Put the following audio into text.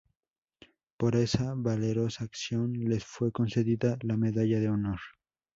Por esa valerosa acción les fue concedida la Medalla de honor.